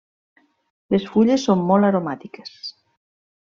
Les fulles són molt aromàtiques.